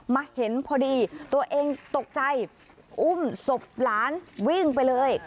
มาเห็นพอดีตัวเองตกใจอุ้มศพหลานวิ่งไปเลย